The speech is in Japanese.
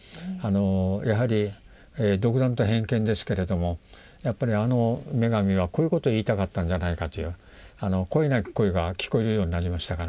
やはり独断と偏見ですけれどもやっぱりあの女神はこういうことを言いたかったんじゃないかという声なき声が聞こえるようになりましたから。